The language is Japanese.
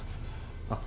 あっ。